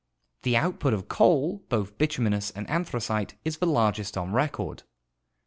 The output of coal, both bituminous and an tliracite, is the largest on record.